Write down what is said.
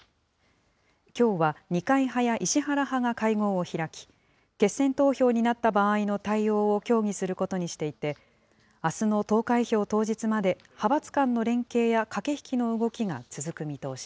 きょうは二階派や石原派が会合を開き、決選投票になった場合の対応を協議することにしていて、あすの投開票当日まで、派閥間の連携や駆け引きの動きが続く見通し